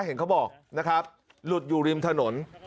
เห็นเขาบอกลุดอยู่ริมถนน